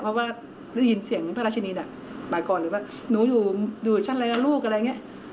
เพราะว่ายินเสียงราชินีหมายกว่าหนูอยู่ชั้นอะไรล่ะลูกอะไรอย่างเงี้ย